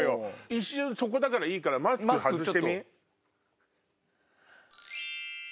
一瞬そこだからいいからマスク外してみ。